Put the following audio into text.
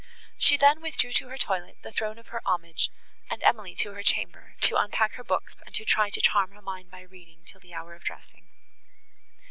She then withdrew to her toilet, the throne of her homage, and Emily to her chamber, to unpack her books, and to try to charm her mind by reading, till the hour of dressing.